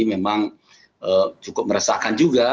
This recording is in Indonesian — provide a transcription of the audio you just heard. memang cukup meresahkan juga